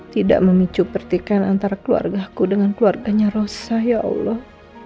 tidak memicu pertikaian antara keluargaku dengan keluarganya rosa ya allah